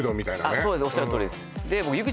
そうですおっしゃるとおりです